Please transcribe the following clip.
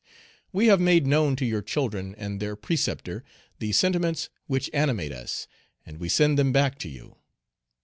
"We have made known to your children and their preceptor the sentiments which animate us, and we send them back to you.